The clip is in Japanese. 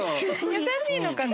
優しいのかな？